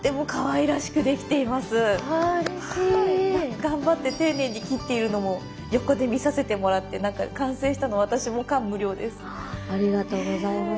頑張って丁寧に切っているのも横で見させてもらってなんか完成したの私も感無量です。